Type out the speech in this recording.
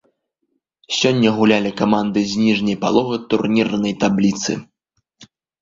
Сёння гулялі каманды з ніжняй паловы турнірнай табліцы.